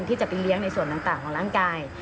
ที่จะไปเลี้ยงในส่วนต่างของร่างกาย